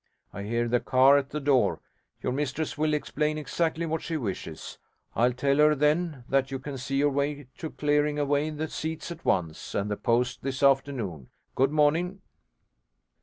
I hear the car at the door. Your mistress will explain exactly what she wishes. I'll tell her, then, that you can see your way to clearing away the seats at once, and the post this afternoon. Good morning.'